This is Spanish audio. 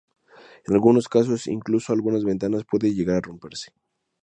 En algunos casos, incluso algunas ventanas pueden llegar a romperse.